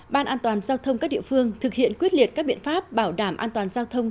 ban an toàn giao thông các địa phương thực hiện quyết liệt các biện pháp bảo đảm an toàn giao thông